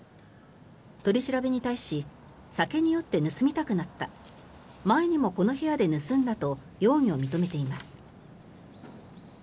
取り調べに対し酒に酔って盗みたくなった前にもこの部屋で盗んだと容疑を認めています。